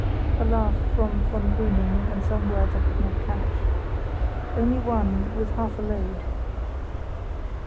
A laugh from von Brüning and some words I could not catch. "Only one, with half a load."